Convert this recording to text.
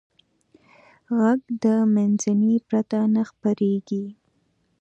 غږ د منځنۍ پرته نه خپرېږي.